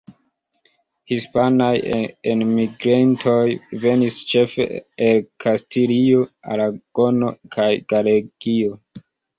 Hispanaj enmigrintoj venis ĉefe el Kastilio, Aragono kaj Galegio.